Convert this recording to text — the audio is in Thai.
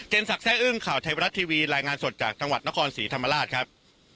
เจมส์ศักดิ์แซ่อึ้งข่าวไทยวัลัททีวีรายงานสดจากนครศรีธรรมราชครับ